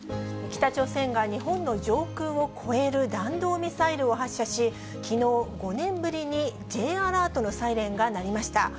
北朝鮮が日本の上空を越える弾道ミサイルを発射し、きのう、５年ぶりにＪアラートのサイレンが鳴りました。